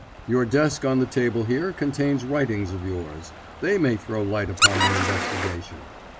Your desk on the table here contains writings of yours; they may throw light upon the investigation.